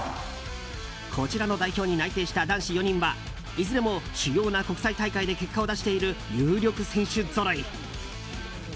こちらの代表に内定した男子４人はいずれも主要な国際大会で結果を出している有力選手ぞろい。